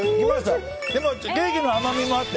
でもケーキの甘みもあって。